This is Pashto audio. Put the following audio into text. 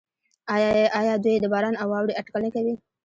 آیا دوی د باران او واورې اټکل نه کوي؟